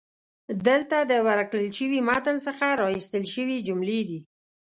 دلته د ورکړل شوي پښتو متن څخه را ایستل شوي جملې دي: